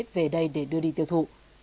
về đây để đưa đi tiêu thụ